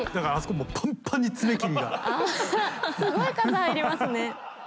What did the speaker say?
すごい数入りますね。